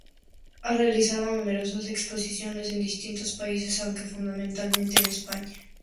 Ha realizado numerosas exposiciones en distintos países, aunque fundamentalmente en España